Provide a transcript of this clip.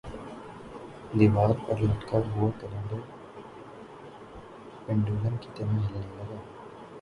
دیوار پر لٹکا ہوا کیلنڈر پنڈولم کی طرح ہلنے لگا